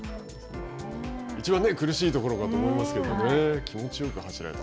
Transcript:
いちばん苦しいところかと思いますけどね、気持ちよく走られた。